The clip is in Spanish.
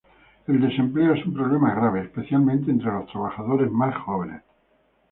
El desempleo es un problema grave, especialmente entre los trabajadores más jóvenes.